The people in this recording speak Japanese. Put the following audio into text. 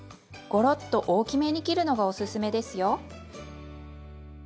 ごろっと大きめに切るのがおすすめですよ。